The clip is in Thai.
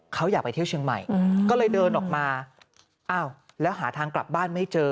เขาอยากไปเที่ยวเชียงใหม่ก็เลยเดินออกมาอ้าวแล้วหาทางกลับบ้านไม่เจอ